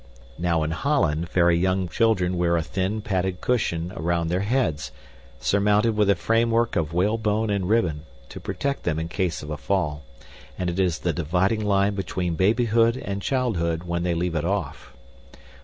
Now, in Holland very young children wear a thin, padded cushion around their heads, surmounted with a framework of whalebone and ribbon, to protect them in case of a fall; and it is the dividing line between babyhood and childhood when they leave it off.